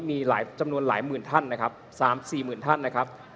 มีหลายจำนวนหลายหมื่นท่านนะครับ๓๔หมื่นท่านนะครับ